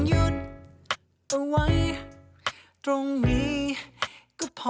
หยุดเอาไว้ตรงนี้ก็พอ